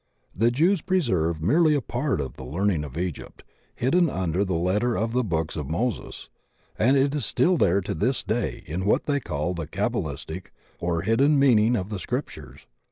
The Jews preserved merely a part of the learning of Egypt hid den under the letter of the books of Moses, and it is there still to this day in what they call the cab^stic or hidden meaning of the scriptures.